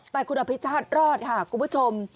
แต่คุณอภิชาติรอดค่ะคุณผู้ชม